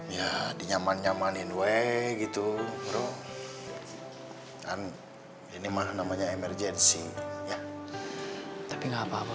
ya di nyaman nyamanin weh gitu bro hai kan ini mah namanya emergency ya tapi nggak apa apa